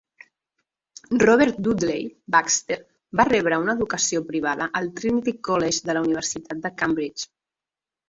Robert Dudley Baxter va rebre una educació privada al Trinity College de la universitat de Cambridge .